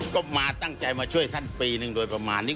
ก็มาตั้งใจมาช่วยท่านปีหนึ่งโดยประมาณนี้